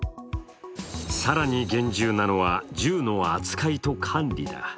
更に厳重なのは、銃の扱いと管理だ。